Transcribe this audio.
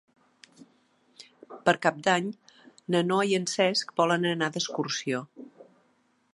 Per Cap d'Any na Noa i en Cesc volen anar d'excursió.